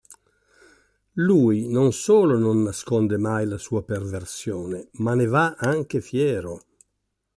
Lui non solo non nasconde mai la sua perversione ma ne va anche fiero.